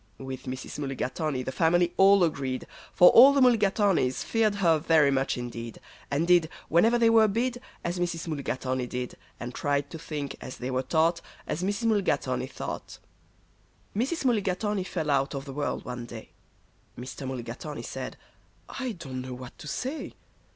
With Mrs. Mulligatawny the family all agreed, For all the Mulligatawnys feared her very much indeed, And did, whenever they were bid, As Mrs. Mulligatawny did, And tried to think, as they were taught, As Mrs. Mulligatawny thought. Mrs. Mulligatawny fell out of the world one day. Mr. Mulligatawny said, "I don't know what to say."